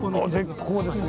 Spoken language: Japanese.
絶好ですね。